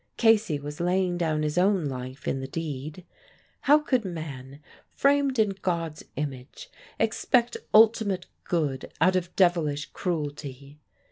Casey was laying down his own life in the deed. How could man, framed in God's image, expect ultimate good out of devilish cruelty?